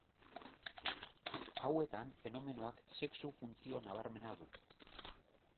Hauetan fenomenoak sexu-funtzio nabarmena du.